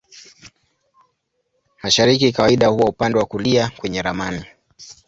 Mashariki kawaida huwa upande wa kulia kwenye ramani.